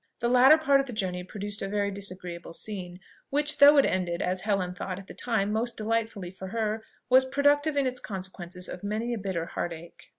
The latter part of the journey produced a very disagreeable scene, which, though it ended, as Helen thought at the time most delightfully for her, was productive in its consequences of many a bitter heart ache.